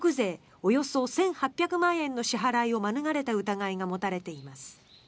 およそ１８００万円の支払いを免れた疑いが持たれています。